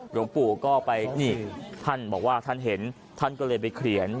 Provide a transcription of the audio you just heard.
หลวงปู่ก็ไปนี่ท่านบอกว่าท่านเห็นท่านก็เลยไปเขียน